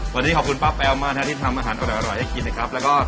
วันนี้ขอบคุณป้าแป๋วมากที่ทำอาหารอร่อยให้กินนะครับแล้วก็